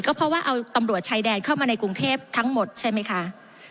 ก็เพราะว่าเอาตำรวจชายแดนเข้ามาในกรุงเทพทั้งหมดใช่ไหมคะ